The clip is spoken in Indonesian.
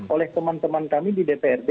oleh teman teman kami di dprd